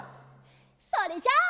それじゃあ。